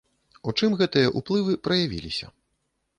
У чым гэтыя ўплывы праявіліся?